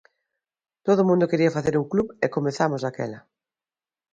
Todo o mundo quería facer un club e comezamos daquela.